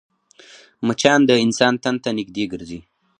مچان د انسان تن ته نږدې ګرځي